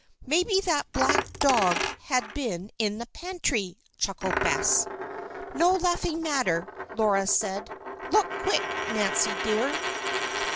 "Maybe that black dog has been in the pantry," chuckled Bess. "No laughing matter," Laura said. "Look quick, Nancy, dear."